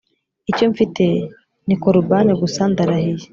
icyo mfite ni korubani gusa ndarahiye